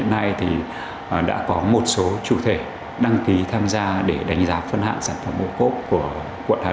hiện nay thì đã có một số chủ thể đăng ký tham gia để đánh giá phân hạng sản phẩm ô cốp của quận hà